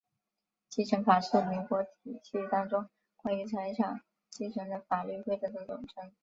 继承法是民法体系当中关于财产继承的法律规则的总称。